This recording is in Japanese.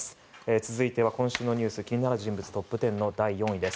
続いては今週の気になる人物トップ１０の第４位です。